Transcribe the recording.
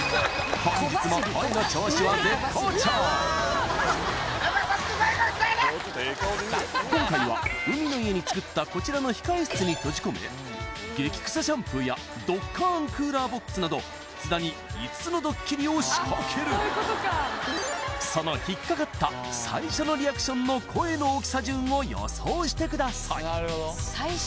本日もこれはまさしく今回は海の家に作ったこちらの控室に閉じ込めゲキ臭シャンプーやどっかんクーラーボックスなど津田に５つのドッキリを仕掛けるその引っかかった最初のリアクションの声の大きさ順を予想してください